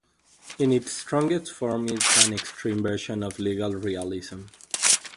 In its strongest form it is an extreme version of legal realism.